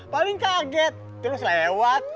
paling kaget terus lewat